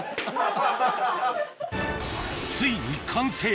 ついに完成